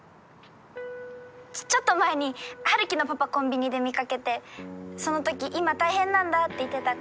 ちょっと前にハルキのパパコンビニで見かけてその時今大変なんだって言ってたから。